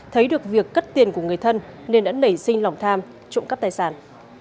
thấy được việc cất tiền của người thân nên đã nảy sinh lòng tham trộm cắp tài sản